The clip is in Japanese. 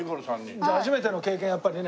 初めての経験やっぱりね